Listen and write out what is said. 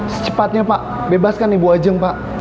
secepatnya pak bebaskan ibu ajeng pak